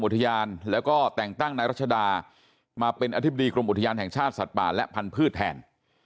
แต่งตั้งในรัชดามาเป็นอธิบดีกรมอุทยานแห่งชาติสตร์ป่าและพันธุ์พืชแทน